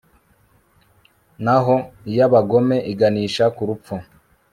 naho iy'abagome iganisha ku rupfu